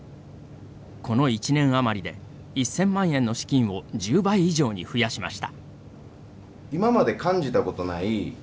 この１年余りで１０００万円の資金を１０倍以上に増やしました。